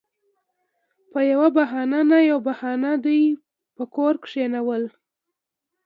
پـه يـوه بهـانـه نـه يـوه بهـانـه دوي پـه کـور کېـنول.